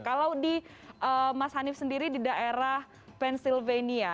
kalau di mas hanif sendiri di daerah pensilvania